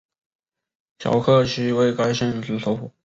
皎克西为该县之首府。